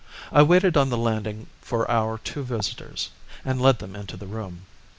I waited on the landing for our two visitors, and led them into the room.